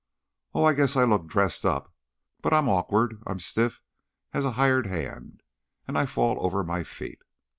"Oh, I guess I look dressed up, but I'm awkward. I'm stiff as a hired hand, and I fall over my feet.